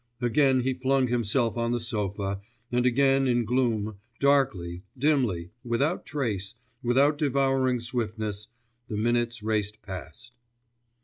Again he flung himself on the sofa and again in gloom, darkly, dimly, without trace, with devouring swiftness, the minutes raced past....